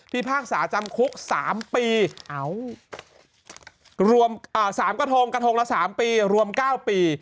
พากษาจำคุก๓ปีรวม๓กระทงกระทงละ๓ปีรวม๙ปี